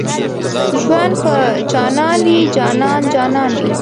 ژوند په جانان وي جانان جانان وي